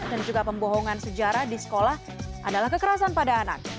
dan juga pembohongan sejarah di sekolah adalah kekerasan pada anak